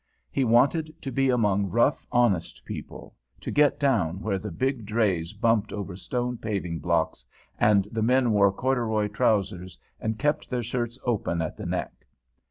He wanted to be among rough, honest people, to get down where the big drays bumped over stone paving blocks and the men wore corduroy trowsers and kept their shirts open at the neck.